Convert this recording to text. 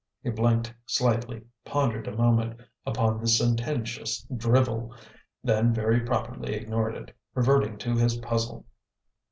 He blinked slightly, pondered a moment upon this sententious drivel, then very properly ignored it, reverting to his puzzle.